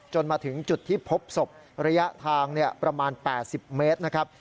มาถึงจุดที่พบศพระยะทางประมาณ๘๐เมตรนะครับ